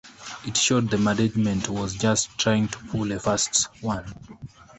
It showed the management was just trying to pull a fast one.